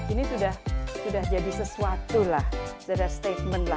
ini sudah jadi sesuatu lah sudah statement lah